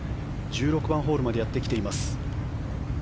１６番ホールまでやってきています。